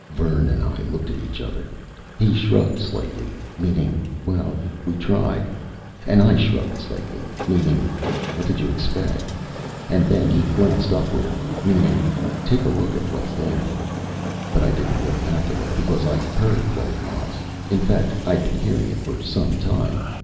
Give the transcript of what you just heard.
Vern and I looked at each other. He shrugged slightly, meaning, well, we tried. And I shrugged slightly, meaning, what did you expect? And then he glanced upward, meaning, take a look at what's there. But I didn't really have to look because I heard what it was. In fact, I'd been hearing it for some time.